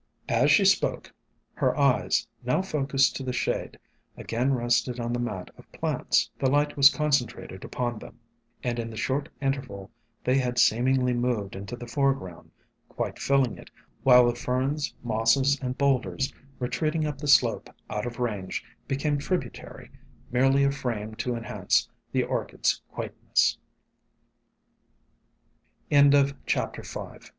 As she spoke, her eyes, now focused to the shade, again rested on the mat of plants. The light was concentrated upon them, and in the 156 SOME HUMBLE ORCHIDS short interval they had seemingly moved into the foreground, quite filling it, while the Ferns, Mosses and boulders, retreating up the slope out of range, became tributary, merely a frame to enhance the Orch